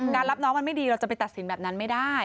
รับน้องมันไม่ดีเราจะไปตัดสินแบบนั้นไม่ได้